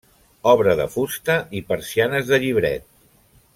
Obra de fusta i persianes de llibret.